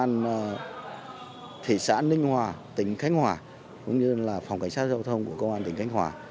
công an thị xã ninh hòa tỉnh khánh hòa cũng như phòng cảnh sát giao thông của công an tỉnh khánh hòa